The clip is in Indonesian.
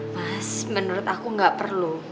mas menurut aku nggak perlu